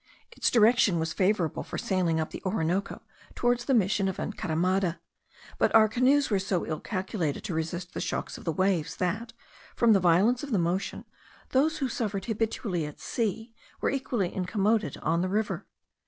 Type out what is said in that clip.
Its direction was favourable for sailing up the Orinoco, towards the Mission of Encaramada; but our canoes were so ill calculated to resist the shocks of the waves, that, from the violence of the motion, those who suffered habitually at sea were equally incommoded on the river.